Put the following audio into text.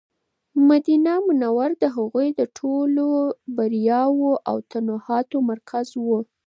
مدینه منوره د هغوی د ټولو بریاوو او فتوحاتو مرکز و.